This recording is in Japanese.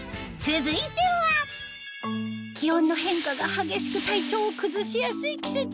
続いては気温の変化が激しく体調を崩しやすい季節